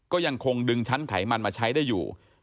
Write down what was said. ก็ยังคงดึงชั้นไขมันมาใช้ได้อยู่